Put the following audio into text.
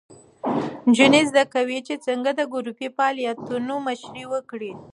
نجونې زده کوي چې څنګه د ګروپي فعالیتونو مشري وکړي.